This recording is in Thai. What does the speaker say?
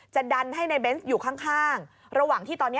ดันให้ในเบนส์อยู่ข้างระหว่างที่ตอนนี้